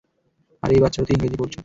আরে, এই বাচ্চারা তো ইংরেজী পড়ছে।